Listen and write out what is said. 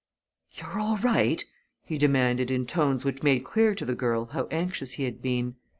"You're all right?" he demanded in tones which made clear to the girl how anxious he had been.